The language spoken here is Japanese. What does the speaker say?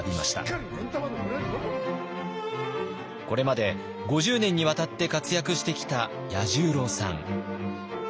これまで５０年にわたって活躍してきた彌十郎さん。